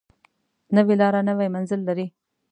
نوې لاره نوی منزل لري